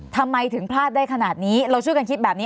ทำไมถึงพลาดได้ขนาดนี้เราช่วยกันคิดแบบนี้